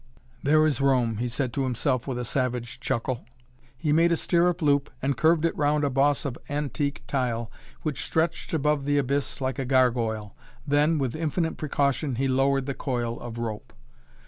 "There is Rome," he said to himself with a savage chuckle. He made a stirrup loop and curved it round a boss of antique tile, which stretched above the abyss like a gargoyle. Then, with infinite precaution, he lowered the coil of rope.